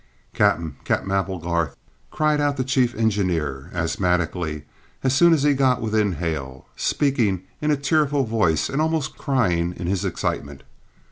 "Cap'en, Cap'en Applegarth!" cried out the chief engineer asthmatically as soon as he got within hail, speaking in a tearful voice and almost crying in his excitement.